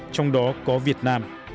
trong đó có việt nam